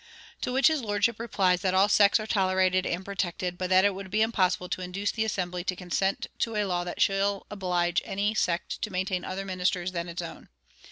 To which his lordship replies that all sects are tolerated and protected, but that it would be impossible to induce the Assembly to consent to a law that shall oblige any sect to maintain other ministers than its own.